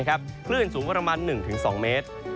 คลื่นสูงประมาณ๑๒เมตร